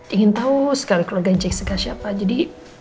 ingin tau sekali keluarganya jessica siapa jadi